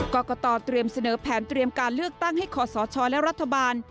กรกตเตรียมเสนอแผนเตรียมการเลือกตั้งให้ขอสชและรัฐบาล